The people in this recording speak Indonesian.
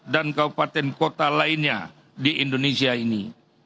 dan kabupaten koota lainnya di indonesia ini